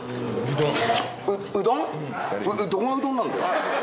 どこがうどんなんだよ。